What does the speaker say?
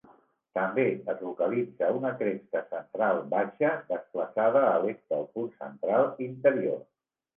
També es localitza una cresta central baixa, desplaçada a l'est del punt central interior.